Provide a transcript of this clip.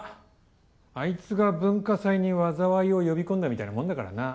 アイツが文化祭に災いを呼び込んだみたいなもんだからなぁ。